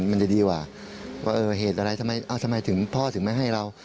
มันจะดีกว่าว่าเหตุอะไรทำไมถึงพ่อถึงไม่ให้เรา